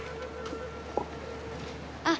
あっ！